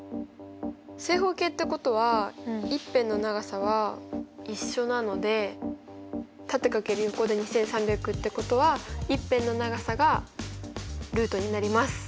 正方形ってことは一辺の長さは一緒なので縦×横で２３００ってことは一辺の長さがルートになります。